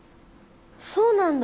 そうなんだ。